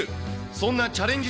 そんなチャレンジ